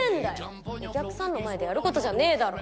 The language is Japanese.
お客さんの前でやることじゃねえだろ。